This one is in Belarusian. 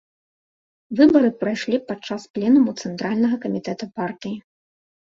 Выбары прайшлі падчас пленуму цэнтральнага камітэта партыі.